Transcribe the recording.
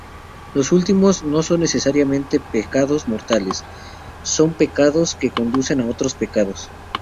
Los últimos no son necesariamente pecados mortales; son pecados que conducen a otros pecados.